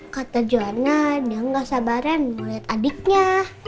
kata joanna dia gak sabaran mau liat adiknya